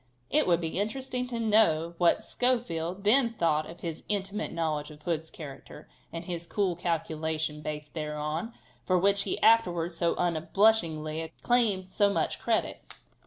It would be interesting to know what Schofield then thought about his intimate knowledge of Hood's character, and his cool calculation based thereon, for which he afterwards so unblushingly claimed so much credit.